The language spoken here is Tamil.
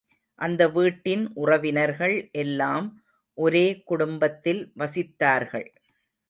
அந்த வீட்டின் உறவினர்கள் எல்லாம் ஒரே குடும்பத்தில் வசித்தார்கள்.